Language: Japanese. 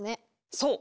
そう！